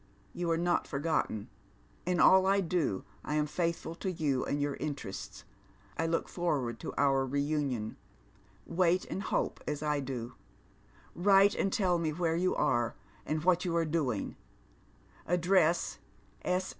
— You are not forgotten. In all I do I am faithful to you and your interests. I look forward to our re union. Wait and hope, as I do. Write and tell me where you are, and what you are doing. — Address, S.